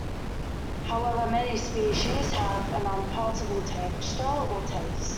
However, many species have an unpalatable texture or taste.